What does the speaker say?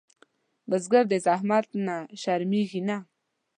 بزګر د زحمت نه شرمېږي نه